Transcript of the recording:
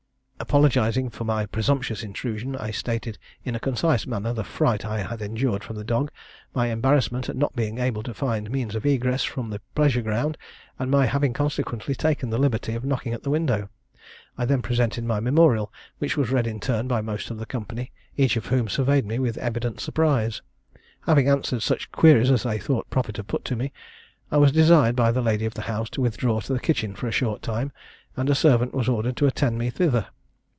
"Apologizing for my presumptuous intrusion, I stated in a concise manner the fright I had endured from the dog, my embarrassment at not being able to find means of egress from the pleasure ground, and my having consequently taken the liberty of knocking at the window. I then presented my memorial, which was read in turn by most of the company, each of whom surveyed me with evident surprise. Having answered such queries as they thought proper to put to me, I was desired by the lady of the house to withdraw to the kitchen for a short time; and a servant was ordered to attend me thither.